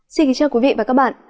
xin kính chào quý vị và các bạn